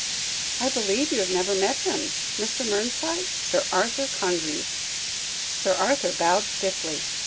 "I believe you have never met him. Mr. Mernside, Sir Arthur Congreve." Sir Arthur bowed stiffly.